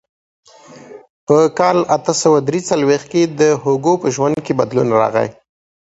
په کال اته سوه درې څلوېښت کې د هوګو په ژوند کې بدلون راغی.